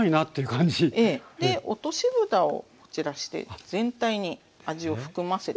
落としぶたをこちらして全体に味を含ませていきます。